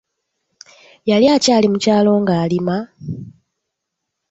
Yali akyali mu kyalo nga alima..